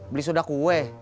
beli sudah kue